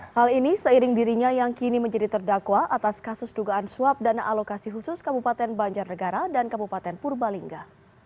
hal ini seiring dirinya yang kini menjadi terdakwa atas kasus dugaan suap dana alokasi khusus kabupaten banjarnegara dan kabupaten purbalingga